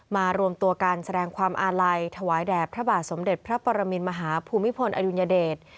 รวมตัวกันแสดงความอาลัยถวายแด่พระบาทสมเด็จพระปรมินมหาภูมิพลอดุลยเดช